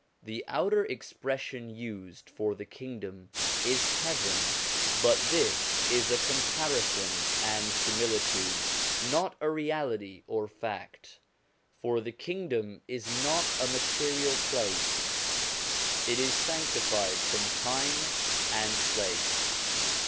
The outer expression used for the Kingdom, is heaven: but this is a comparison and similitude, not a reality or fact ; for the Kingdom is not a material place, it is sanctified from time and place.